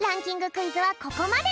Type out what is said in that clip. クイズはここまで。